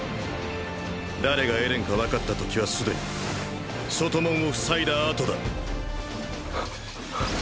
誰がエレンかわかった時は既に外門を塞いだ後だ